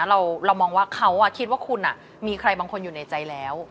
เรามองว่าเขาคิดว่าคุณมีใครบางคนอยู่ในใจแล้ว